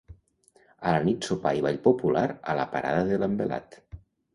A la nit sopar i ball popular a la parada de l'envelat.